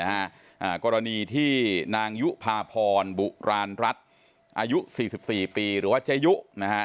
อ่ากรณีที่นางยุภาพรบุราณรัฐอายุสี่สิบสี่ปีหรือว่าเจยุนะฮะ